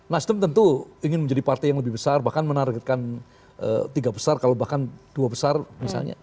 nasdem tentu ingin menjadi partai yang lebih besar bahkan menargetkan tiga besar kalau bahkan dua besar misalnya